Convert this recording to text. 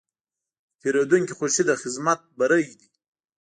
د پیرودونکي خوښي د خدمت بری دی.